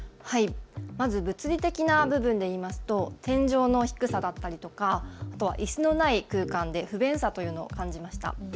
まず物理的な部分で言いますと天井の低さだったりとかあとはいすのない空間で不便さというのを感じました。